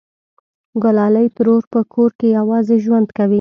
گلالۍ ترور په کور کې یوازې ژوند کوي